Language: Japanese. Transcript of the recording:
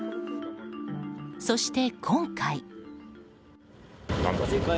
そして今回。